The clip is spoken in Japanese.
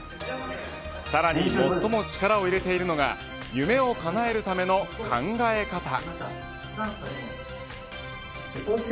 さらに、最も力を入れているのが夢をかなえるための考え方。